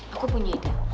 aku punya ide